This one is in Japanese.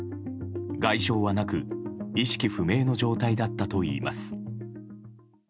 外傷はなく、意識不明の状態だったといいます。